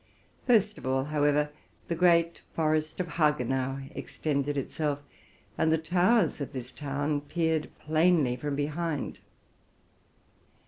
First of all, however, the great forest of Hagenau extended itself ; and the towers of this town peered plainly from behind.